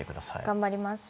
頑張ります！